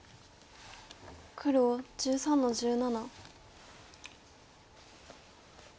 黒１３の十七。